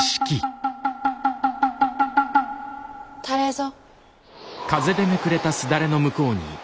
誰ぞ。